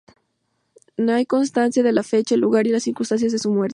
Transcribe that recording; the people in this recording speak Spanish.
No hay constancia de la fecha, el lugar y las circunstancias de su muerte.